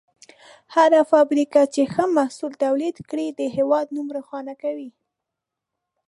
هره فابریکه چې ښه محصول تولید کړي، د هېواد نوم روښانه کوي.